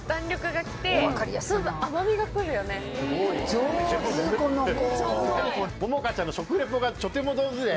上手この子。